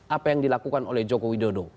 apa yang dilakukan oleh joko widodo